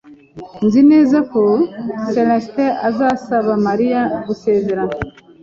Nzi neza ko Celestin azasaba Mariya gusezerana.